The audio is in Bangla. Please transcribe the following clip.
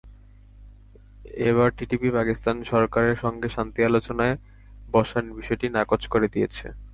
এরপর টিটিপি পাকিস্তান সরকারের সঙ্গে শান্তি আলোচনায় বসার বিষয়টি নাকচ করে দিয়েছে।